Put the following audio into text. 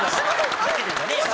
ふざけてんじゃねえよ。